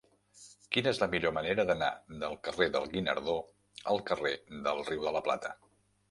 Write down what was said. Quina és la millor manera d'anar del carrer del Guinardó al carrer del Riu de la Plata?